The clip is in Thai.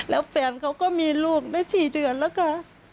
แล้วแฟนเขาก็มีลูกได้๔เดือนแล้วค่ะ